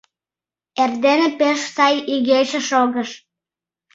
Эрдене пеш сай игече шогыш.